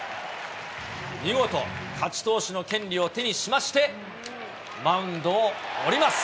見事、勝ち投手の権利を手にしましてマウンドを降ります。